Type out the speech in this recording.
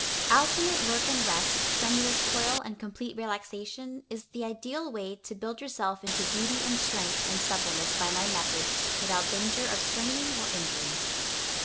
Alternate work and rest, strenuous toil and complete relaxation, is the ideal way to build yourself into beauty and strength and suppleness by my method, without danger of straining or injury.